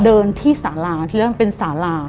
เดินที่สาลาที่แล้วมันเป็นสาลา